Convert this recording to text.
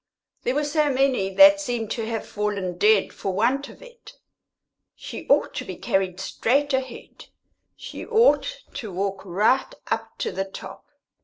There were so many that seemed to have fallen dead for want of it. She ought to be carried straight ahead; she ought to walk right up to the top.